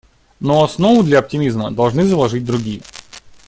Но основу для оптимизма должны заложить другие.